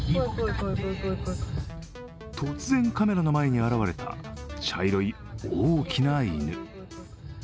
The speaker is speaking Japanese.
突然カメラの前に現れた茶色い大きな犬。